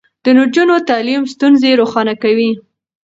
د نجونو تعليم ستونزې روښانه کوي.